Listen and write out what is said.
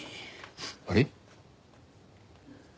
あれ？